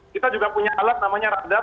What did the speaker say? kita juga punya alat namanya radar